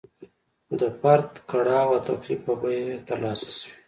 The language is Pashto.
خو د فرد د کړاو او تکلیف په بیه ترلاسه شوې.